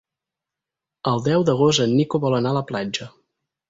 El deu d'agost en Nico vol anar a la platja.